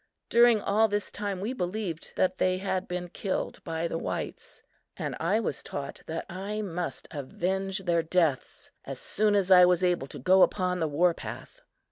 During all this time we believed that they had been killed by the whites, and I was taught that I must avenge their deaths as soon as I was able to go upon the war path.